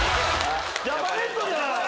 ジャパネットじゃない！